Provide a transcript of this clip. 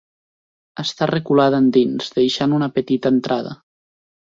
Està reculada endins, deixant una petita entrada.